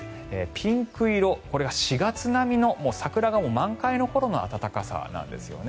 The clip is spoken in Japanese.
ピンク色、これが４月並みの桜が満開の頃の暖かさなんですね。